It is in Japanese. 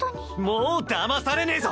もうだまされねぇぞ！